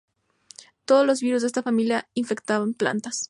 Todos los virus de esta familia infectan plantas.